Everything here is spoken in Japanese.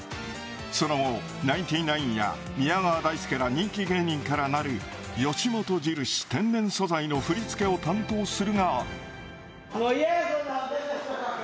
その後、ナインティナインや宮川大輔や人気芸人からなる吉本印天然素材のもう嫌や、こんな。